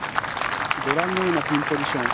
ご覧のようなピンポジション。